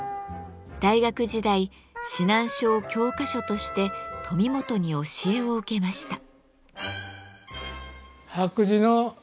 大学時代指南書を教科書として富本に教えを受けました。